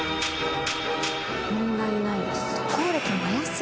問題ないです。